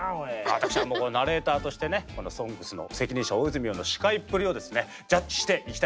私はナレーターとしてね「ＳＯＮＧＳ」の責任者大泉洋の司会っぷりをジャッジしていきたいと思います。